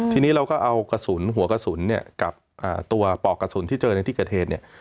ทีนี้เราก็เอากระสุนหัวกระสุนเนี่ยกับตัวปอกกระสุนที่เจอในที่เกิดเหตุเนี่ย